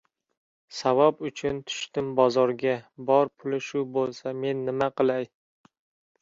Savob uchun tushdim bozorga, bor puli shu bo‘lsa, men nima qilay?